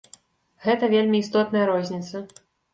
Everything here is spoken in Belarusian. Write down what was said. Гэта вельмі істотная розніца.